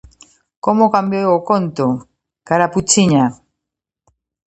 Como cambiou o conto, Carapuchiña.